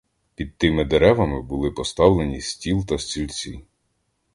Під тими деревами були поставлені стіл та стільці.